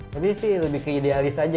lebih sih lebih ke idealis aja